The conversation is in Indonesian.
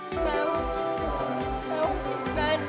saya ingin membatik